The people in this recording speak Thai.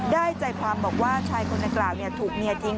ได้ใจความบอกว่าชายคนดังกล่าวถูกเมียทิ้ง